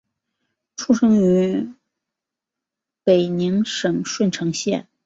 出生于北宁省顺成县。